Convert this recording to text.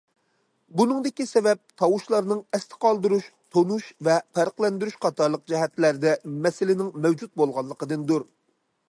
بۇنىڭدىكى سەۋەب تاۋۇشلارنى ئەستە قالدۇرۇش، تونۇش ۋە پەرقلەندۈرۈش قاتارلىق جەھەتلەردە مەسىلىنىڭ مەۋجۇت بولغانلىقىدىندۇر.